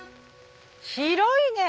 広いね！